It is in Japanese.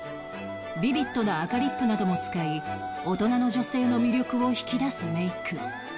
ビビッドな赤リップなども使い大人の女性の魅力を引き出すメイク